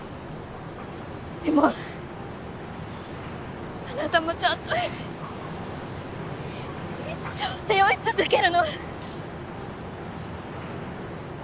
でもあなたもちゃんと一生背負い続けるの。